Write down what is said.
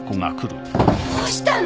どうしたの？